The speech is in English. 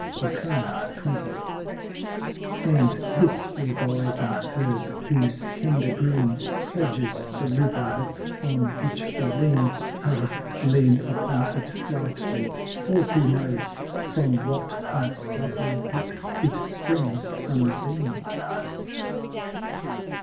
XX. And this reviving Herb whose tender Green Fledges the River Lip on which we lean Ah, lean upon it lightly! for who knows From what once lovely Lip it springs unseen!